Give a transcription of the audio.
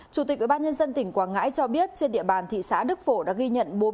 chủ tịch ubnd tỉnh quảng ngãi cho biết trên địa bàn thị xã đức phổ đã ghi nhận